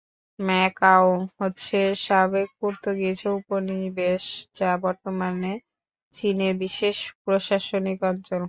Macaw হচ্ছে সাবেক Portuguese উপনিবেশ যা বর্তমানে চীনের বিশেষ প্রশাসনিক অঞ্চল।